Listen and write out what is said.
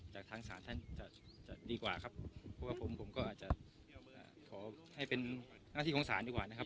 จากทางศาลท่านจะจะดีกว่าครับเพราะว่าผมผมก็อาจจะขอให้เป็นหน้าที่ของศาลดีกว่านะครับ